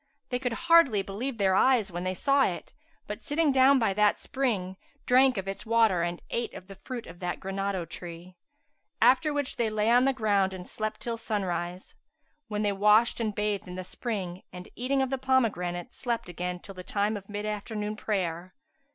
[FN#379] They could hardly believe their eyes when they saw it; but, sitting down by that spring, drank of its water and ate of the fruit of that granado tree; after which they lay on the ground and slept till sunrise, when they washed and bathed in the spring and, eating of the pomegranates, slept again till the time of mid afternoon prayer.